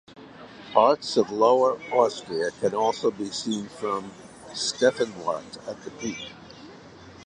Parts of Lower Austria can also be seen from "Stefaniewarte" at the peak.